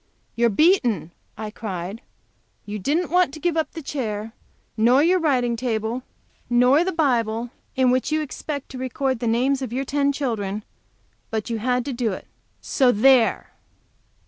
"You're beaten!" I cried. "You didn't want to give up the chair, nor your writing table, nor the Bible in which you expect to record the names of your ten children I But you've had to do it, so there!"